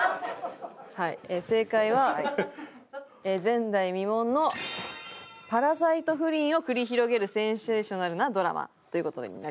はい正解は前代未聞のパラサイト不倫を繰り広げるセンセーショナルなドラマという事になります。